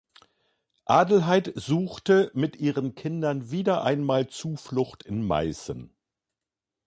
Adelheid suchte mit ihren Kindern wieder einmal Zuflucht in Meißen.